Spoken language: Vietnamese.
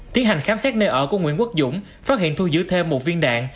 tiến hành khám xét nơi ở của nguyễn quốc dũng phát hiện thu giữ thêm một viên đạn